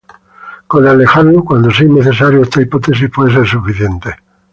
Con alejarlo cuando sea innecesario esta hipótesis puede ser suficiente.